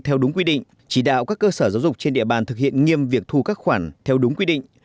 theo đúng quy định chỉ đạo các cơ sở giáo dục trên địa bàn thực hiện nghiêm việc thu các khoản theo đúng quy định